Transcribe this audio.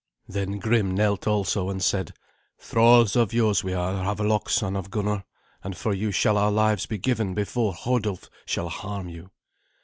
Then Grim knelt also, and said, "Thralls of yours are we, Havelok, son of Gunnar, and for you shall our lives be given before Hodulf shall harm you.